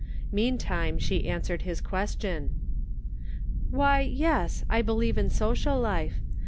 Meantime she answered his question :" Why, yes, I believe in social life.